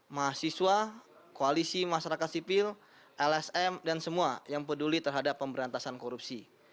mahasiswa koalisi masyarakat sipil lsm dan semua yang peduli terhadap pemberantasan korupsi